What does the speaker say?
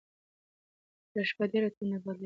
تېره شپه ډېر توند باد لګېده.